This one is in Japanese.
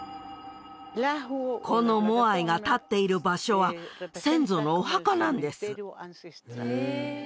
このモアイが立っている場所は先祖のお墓なんです